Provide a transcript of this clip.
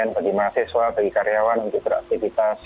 bagi mahasiswa bagi karyawan untuk beraktivitas